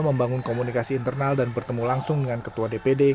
membangun komunikasi internal dan bertemu langsung dengan ketua dpd